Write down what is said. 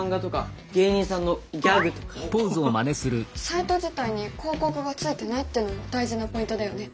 サイト自体に広告がついていないっていうのも大事なポイントだよね。